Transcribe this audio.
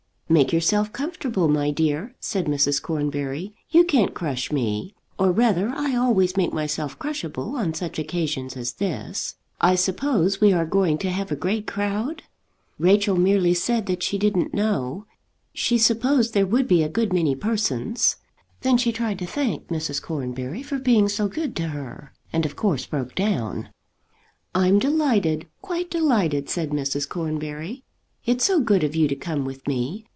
"Make yourself comfortable, my dear," said Mrs. Cornbury, "you can't crush me. Or rather I always make myself crushable on such occasions as this. I suppose we are going to have a great crowd?" Rachel merely said that she didn't know. She supposed there would be a good many persons. Then she tried to thank Mrs. Cornbury for being so good to her, and of course broke down. "I'm delighted, quite delighted," said Mrs. Cornbury. "It's so good of you to come with me.